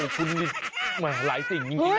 คือนี่หลายสิ่งจริงนะ